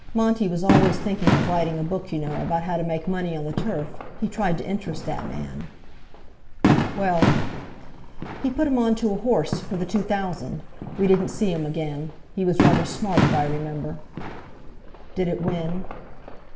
Monty was always thinking of writing a book, you know, about how to make money on the turf. He tried to interest that man." "Well?" "He put him on to a horse—for the Two Thousand. We didn't see him again. He was rather smart, if I remember." "Did it win?"